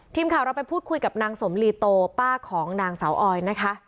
ทีมข่าวเราไปพูดคุยกับนางสมลีโตป้าของนางสาวออยนะคะ